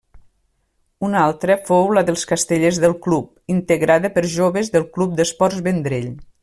Una altra fou la dels castellers del Club, integrada per joves del Club d'Esports Vendrell.